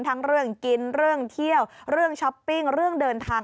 ทั้งเรื่องกินเรื่องเที่ยวเรื่องช้อปปิ้งเรื่องเดินทาง